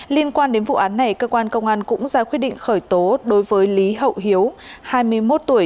liên quan đến vụ án này cơ quan công an cũng ra quyết định khởi tố đối với lý hậu hiếu hai mươi một tuổi